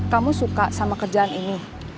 kamu suka sama kerjaan ini